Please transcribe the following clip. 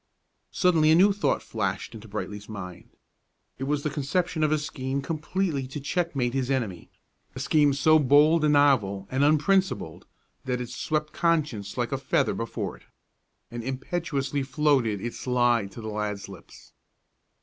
Suddenly a new thought flashed into Brightly's mind. It was the conception of a scheme completely to checkmate his enemy, a scheme so bold and novel and unprincipled that it swept conscience like a feather before it, and impetuously floated its lie to the lad's lips.